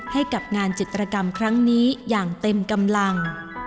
ให้กับงานจิตรกรรมครั้งนี้อย่างเต็มกำลัง